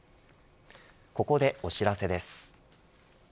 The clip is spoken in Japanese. ここでお知らせです。